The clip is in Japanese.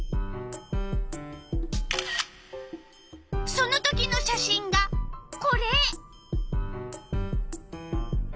そのときの写真がこれ！